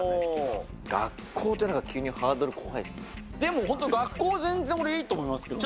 学校ってなんか急にハードルでも本当、学校全然俺いいと思いますけどね。